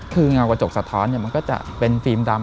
คือเงากระจกสะท้อนมันก็จะเป็นฟิล์มดำ